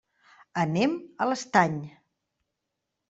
Anem a l'Estany.